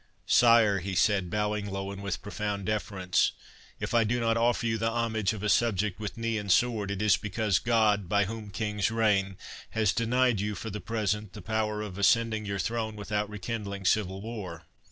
"Sire," he said, bowing low, and with profound deference, "if I do not offer you the homage of a subject with knee and sword, it is because God, by whom kings reign, has denied you for the present the power of ascending your throne without rekindling civil war.